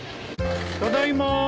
ただいま。